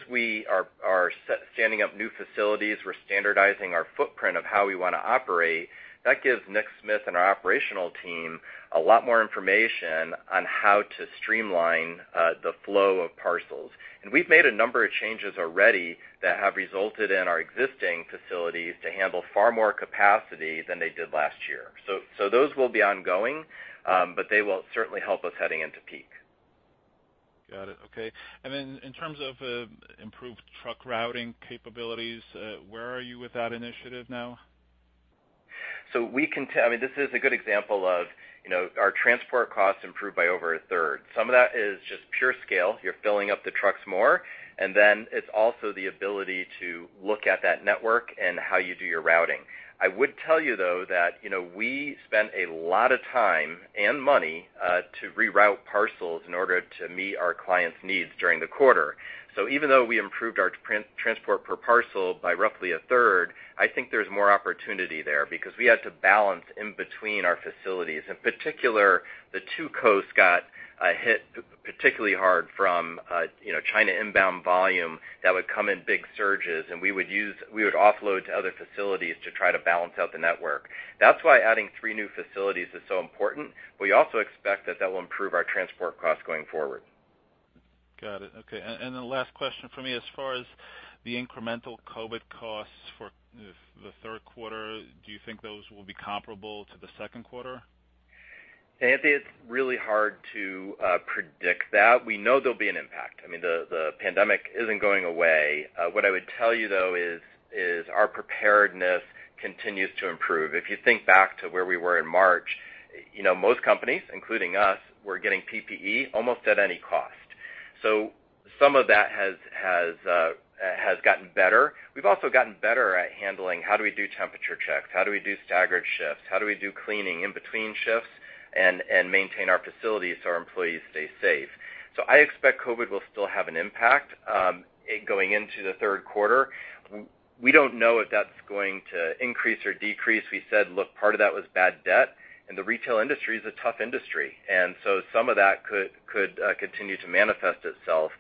We are standing up new facilities, we're standardizing our footprint of how we want to operate, that gives Nick Smith and our operational team a lot more information on how to streamline the flow of parcels. We've made a number of changes already that have resulted in our existing facilities to handle far more capacity than they did last year. Those will be ongoing, they will certainly help us heading into peak. Got it. Okay. In terms of improved truck routing capabilities, where are you with that initiative now? I mean, this is a good example of our transport costs improved by over a third. Some of that is just pure scale. You're filling up the trucks more, it's also the ability to look at that network and how you do your routing. I would tell you, though, that we spent a lot of time and money to reroute parcels in order to meet our clients' needs during the quarter. Even though we improved our transport per parcel by roughly a third, I think there's more opportunity there because we had to balance in between our facilities. In particular, the two coasts got hit particularly hard from China inbound volume that would come in big surges, we would offload to other facilities to try to balance out the network. That's why adding three new facilities is so important, but we also expect that that will improve our transport costs going forward. Got it. Okay. The last question from me, as far as the incremental COVID costs for the third quarter, do you think those will be comparable to the second quarter? Anthony, it's really hard to predict that. We know there'll be an impact. I mean, the pandemic isn't going away. What I would tell you, though, is our preparedness continues to improve. If you think back to where we were in March, most companies, including us, were getting PPE almost at any cost. Some of that has gotten better. We've also gotten better at handling how do we do temperature checks, how do we do staggered shifts, how do we do cleaning in between shifts, and maintain our facilities so our employees stay safe. I expect COVID will still have an impact going into the third quarter. We don't know if that's going to increase or decrease. We said, look, part of that was bad debt, the retail industry is a tough industry. Some of that could continue to manifest itself.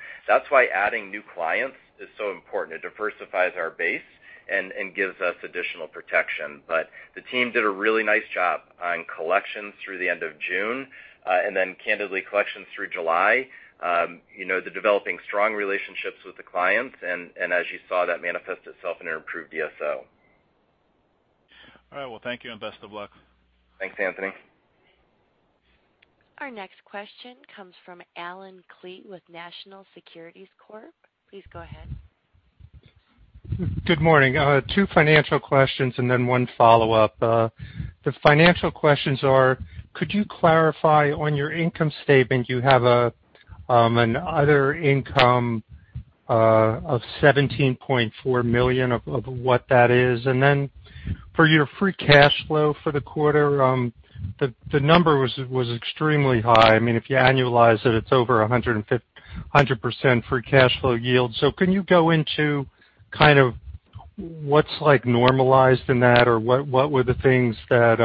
Adding new clients is so important. It diversifies our base and gives us additional protection. The team did a really nice job on collections through the end of June, and then candidly collections through July. They're developing strong relationships with the clients and as you saw, that manifest itself in an improved DSO. All right. Well, thank you and best of luck. Thanks, Anthony. Our next question comes from Allen Klee with National Securities Corp. Please go ahead. Good morning. Two financial questions and then one follow-up. The financial questions are, could you clarify on your income statement, you have an other income of $17.4 million of what that is? Then for your free cash flow for the quarter, the number was extremely high. If you annualize it's over 100% free cash flow yield. Can you go into what's normalized in that, or what were the things that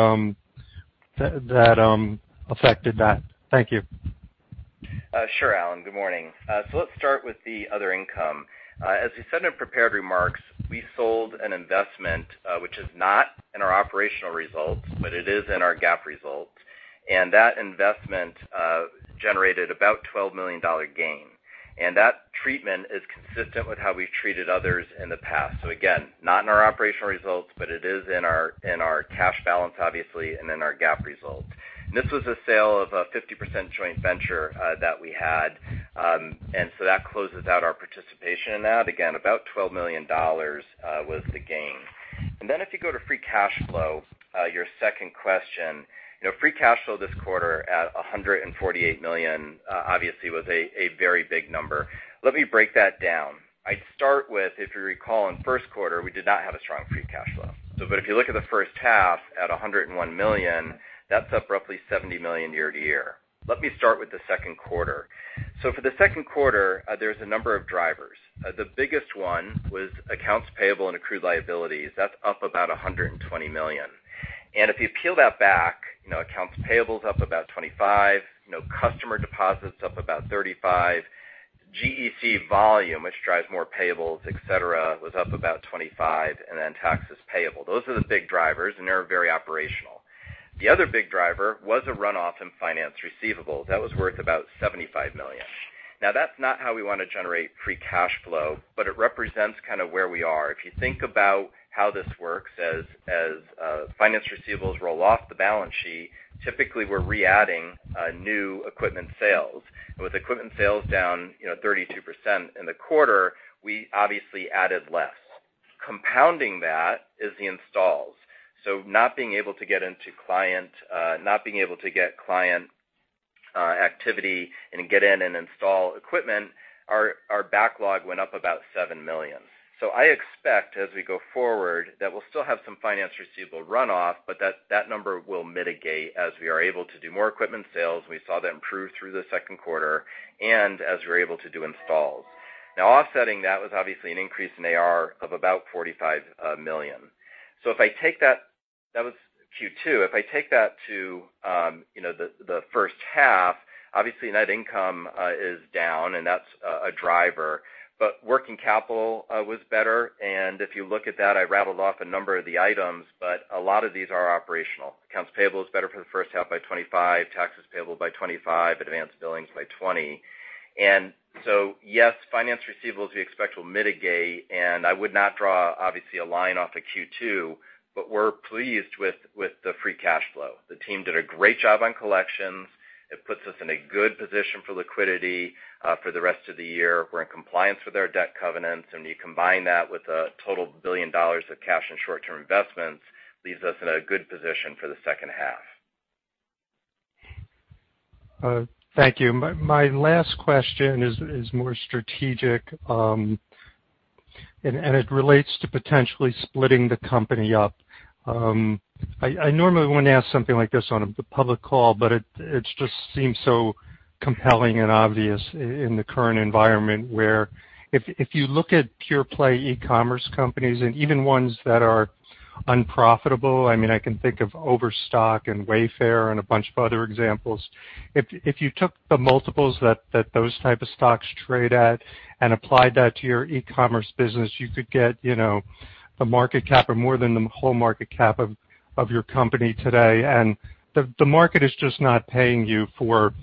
affected that? Thank you. Sure, Allen. Good morning. Let's start with the other income. As we said in prepared remarks, we sold an investment, which is not in our operational results, but it is in our GAAP results. That investment generated about $12 million gain. That treatment is consistent with how we've treated others in the past. Again, not in our operational results, but it is in our cash balance, obviously, and in our GAAP results. This was a sale of a 50% joint venture that we had. That closes out our participation in that. Again, about $12 million was the gain. If you go to free cash flow, your second question. Free cash flow this quarter at $148 million, obviously was a very big number. Let me break that down. I'd start with, if you recall, in the first quarter, we did not have a strong free cash flow. If you look at the first half at $101 million, that's up roughly $70 million year-over-year. Let me start with the second quarter. For the second quarter, there's a number of drivers. The biggest one was accounts payable and accrued liabilities, that's up about $120 million. If you peel that back, accounts payable's up about 25, customer deposits up about 35. GEC volume, which drives more payables, et cetera, was up about 25, and then taxes payable. Those are the big drivers, and they're very operational. The other big driver was a runoff in finance receivables. That was worth about $75 million. That's not how we want to generate free cash flow, but it represents kind of where we are. If you think about how this works as finance receivables roll off the balance sheet, typically we're re-adding new equipment sales. With equipment sales down 32% in the quarter, we obviously added less. Compounding that is the installs. Not being able to get client activity and get in and install equipment, our backlog went up about $7 million. I expect as we go forward that we'll still have some finance receivable runoff, but that number will mitigate as we are able to do more equipment sales. We saw that improve through the second quarter and as we were able to do installs. Offsetting that was obviously an increase in AR of about $45 million. That was Q2. If I take that to the first half, obviously net income is down and that's a driver. Working capital was better, and if you look at that, I rattled off a number of the items, a lot of these are operational. Accounts payable is better for the first half by 25, taxes payable by 25, advanced billings by 20. Yes, finance receivables we expect will mitigate, and I would not draw obviously a line off of Q2, but we're pleased with the free cash flow. The team did a great job on collections. It puts us in a good position for liquidity for the rest of the year. We're in compliance with our debt covenants, and you combine that with a total $1 billion of cash and short-term investments, leaves us in a good position for the second half. Thank you. My last question is more strategic, and it relates to potentially splitting the company up. I normally wouldn't ask something like this on a public call, but it just seems so compelling and obvious in the current environment where if you look at pure play ecommerce companies and even ones that are unprofitable, I can think of Overstock and Wayfair and a bunch of other examples. If you took the multiples that those type of stocks trade at and applied that to your ecommerce business, you could get a market cap of more than the whole market cap of your company today. The market is just not paying you for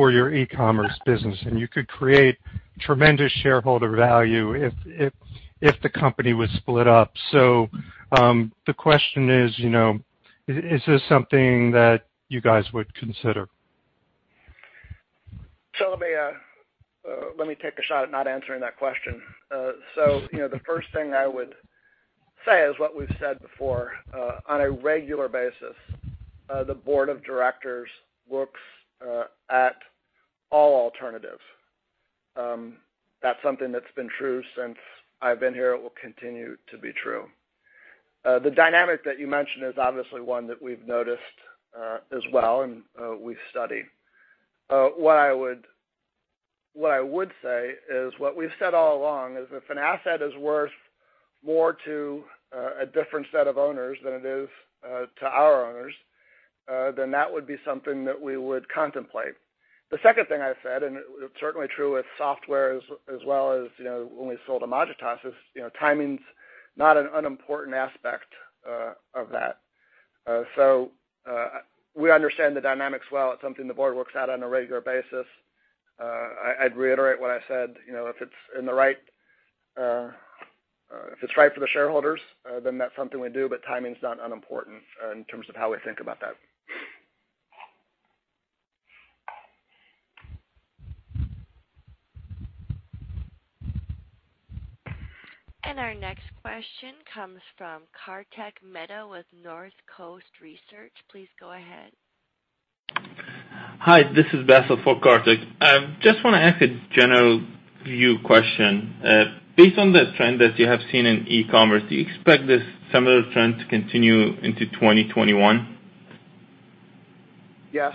your ecommerce business, and you could create tremendous shareholder value if the company was split up. The question is this something that you guys would consider? Let me take a shot at not answering that question. The first thing I would say is what we've said before on a regular basis. The board of directors looks at all alternatives. That's something that's been true since I've been here. It will continue to be true. The dynamic that you mentioned is obviously one that we've noticed as well and we've studied. What I would say is what we've said all along is if an asset is worth more to a different set of owners than it is to our owners, then that would be something that we would contemplate. The second thing I said, and it's certainly true with software as well as when we sold to [Majesco], is timing's not an unimportant aspect of that. We understand the dynamics well. It's something the board looks at on a regular basis. I'd reiterate what I said, if it's right for the shareholders, then that's something we do, but timing's not unimportant in terms of how we think about that. Our next question comes from Kartik Mehta with Northcoast Research. Please go ahead. Hi, this is [Basil] for Kartik. I just want to ask a general view question. Based on the trend that you have seen in ecommerce, do you expect this similar trend to continue into 2021? Yes.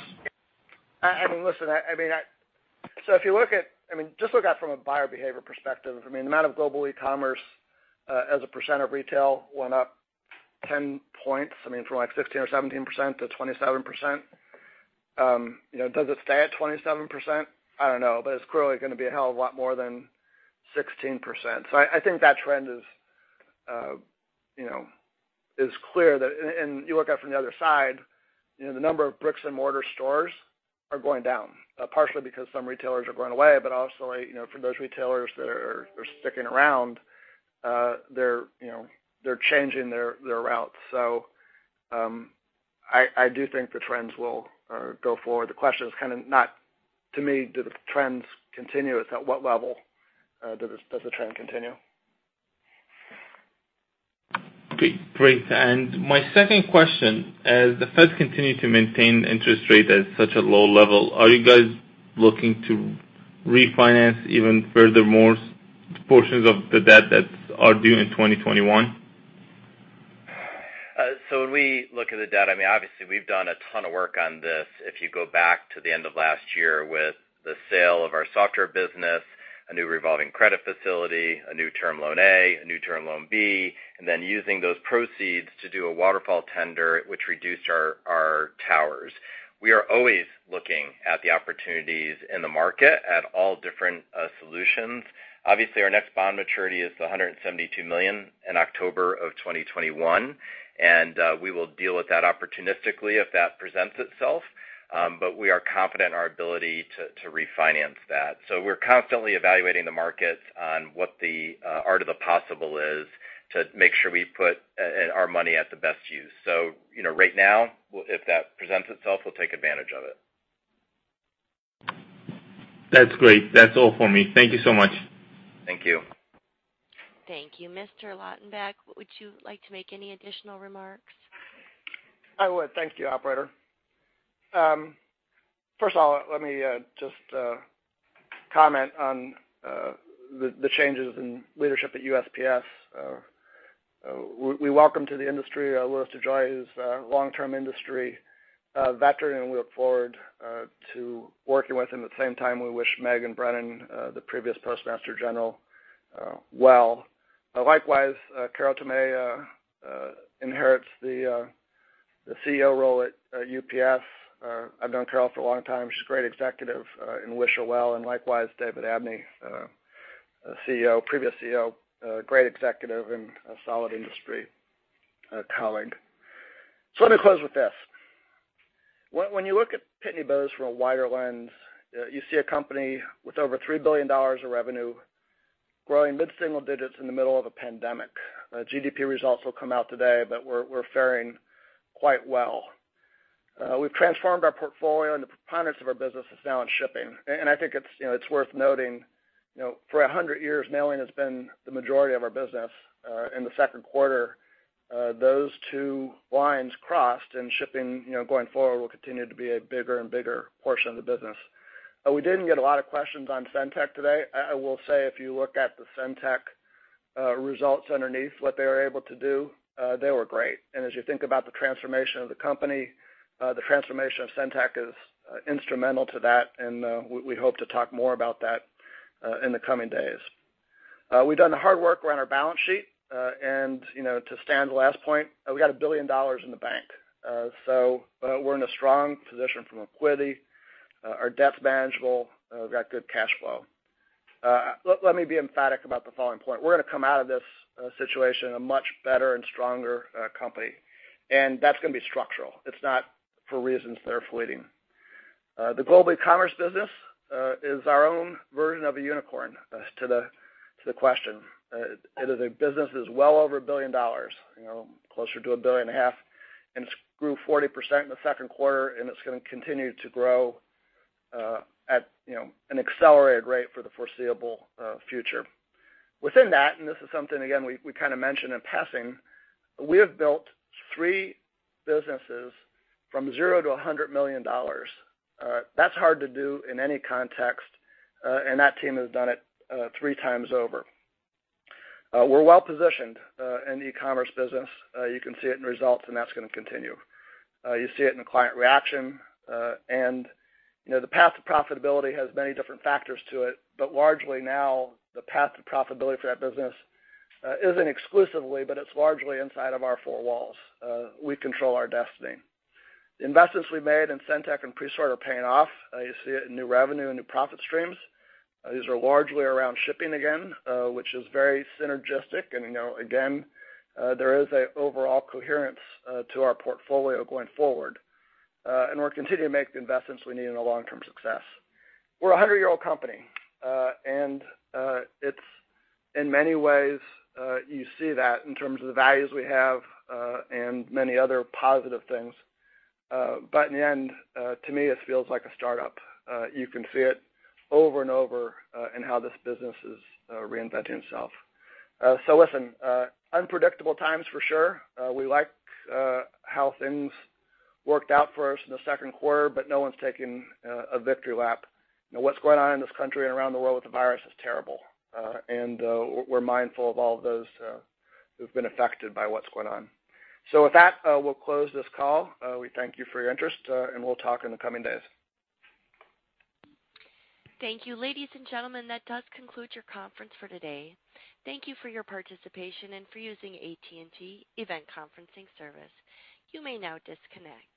I mean, listen, just look at it from a buyer behavior perspective. The amount of Global Ecommerce as a percent of retail went up 10 points, from 15 or 17%- 27%. Does it stay at 27%? I don't know, it's clearly going to be a hell of a lot more than 16%. I think that trend is clear. You look at it from the other side, the number of bricks and mortar stores are going down, partially because some retailers are going away, but also, for those retailers that are sticking around, they're changing their route. I do think the trends will go forward. The question is kind of not, to me, do the trends continue? It's at what level does the trend continue? Great. My second question. As the Fed continue to maintain interest rate at such a low level, are you guys looking to refinance even furthermore portions of the debt that are due in 2021? When we look at the data, obviously we've done a ton of work on this. If you go back to the end of last year with the sale of our software business, a new revolving credit facility, a new Term Loan A, a new Term Loan B, and then using those proceeds to do a waterfall tender, which reduced our towers. We are always looking at the opportunities in the market at all different solutions. Obviously, our next bond maturity is the $172 million in October of 2021, and we will deal with that opportunistically if that presents itself. But we are confident in our ability to refinance that. We're constantly evaluating the markets on what the art of the possible is to make sure we put our money at the best use. Right now, if that presents itself, we'll take advantage of it. That's great. That's all for me. Thank you so much. Thank you. Thank you. Mr. Lautenbach, would you like to make any additional remarks? I would. Thank you, operator. First of all, let me just comment on the changes in leadership at USPS. We welcome to the industry Louis DeJoy, who's a long-term industry veteran, and we look forward to working with him. At the same time, we wish Megan Brennan, the previous Postmaster General, well. Likewise, Carol Tomé inherits the CEO role at UPS. I've known Carol for a long time. She's a great executive and wish her well. Likewise, David Abney, previous CEO, great executive and a solid industry colleague. Let me close with this. When you look at Pitney Bowes from a wider lens, you see a company with over $3 billion of revenue growing mid-single digits in the middle of a pandemic. GDP results will come out today, we're faring quite well. We've transformed our portfolio and the preponderance of our business is now in shipping. I think it's worth noting, for 100 years, mailing has been the majority of our business. In the second quarter, those two lines crossed and shipping, going forward, will continue to be a bigger and bigger portion of the business. We didn't get a lot of questions on SendTech today. I will say, if you look at the SendTech results underneath what they were able to do, they were great. As you think about the transformation of the company, the transformation of SendTech is instrumental to that, and we hope to talk more about that in the coming days. We've done the hard work around our balance sheet. To Stan's last point, we got $1 billion in the bank. We're in a strong position from equity. Our debt's manageable. We've got good cash flow. Let me be emphatic about the following point. We're going to come out of this situation a much better and stronger company, and that's going to be structural. It's not for reasons that are fleeting. The Global Ecommerce business is our own version of a unicorn to the question. It is a business that's well over $1 billion, closer to $1.5 billion, and it grew 40% in the second quarter, and it's going to continue to grow at an accelerated rate for the foreseeable future. Within that, and this is something, again, we kind of mentioned in passing, we have built three businesses from $0-$100 million. That's hard to do in any context, and that team has done it three times over. We're well-positioned in the ecommerce business. You can see it in results, and that's going to continue. You see it in the client reaction. The path to profitability has many different factors to it, but largely now, the path to profitability for that business isn't exclusively, but it's largely inside of our four walls. We control our destiny. The investments we made in SendTech and Presort are paying off. You see it in new revenue and new profit streams. These are largely around shipping again, which is very synergistic. Again, there is an overall coherence to our portfolio going forward. We'll continue to make the investments we need in the long-term success. We're a 100-year-old company, and in many ways, you see that in terms of the values we have and many other positive things. In the end, to me, it feels like a startup. You can see it over and over in how this business is reinventing itself. Listen, unpredictable times for sure. We like how things worked out for us in the second quarter, but no one's taking a victory lap. What's going on in this country and around the world with the virus is terrible. We're mindful of all of those who've been affected by what's going on. With that, we'll close this call. We thank you for your interest, and we'll talk in the coming days. Thank you. Ladies and gentlemen, that does conclude your conference for today. Thank you for your participation and for using AT&T Event Conferencing service. You may now disconnect.